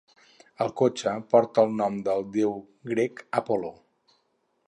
El cotxe porta el nom del déu grec Apol·lo.